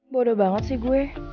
boda banget sih gue